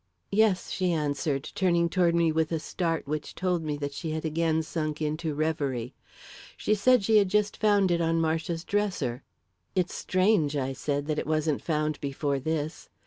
"Yes," she answered, turning toward me with a start which told me that she had again sunk into reverie. "She said she had just found it on Marcia's dresser." "It's strange," I said, "that it wasn't found before this.